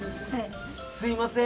すいません